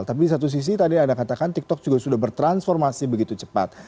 tapi di satu sisi tadi anda katakan tiktok juga sudah bertransformasi begitu cepat